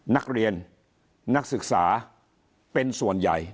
นักเรียนนักศึกษาเป็นส่วนใหญ่